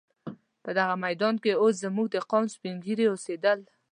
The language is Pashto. په دغه میدان کې اوس زموږ د قام سپین ږیري اوسېدل.